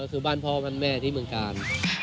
ก็คือบ้านพ่อบ้านแม่ที่เมืองกาล